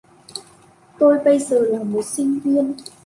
tôi bây giờ là một sinh viên